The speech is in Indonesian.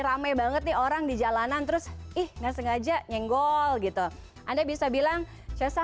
rame banget nih orang di jalanan terus ih nggak sengaja nyenggol gitu anda bisa bilang cesa